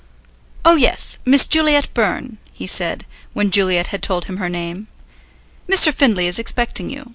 "Oh yes, Miss Juliet Byrne," he said when Juliet had told him her name. "Mr. Findlay is expecting you.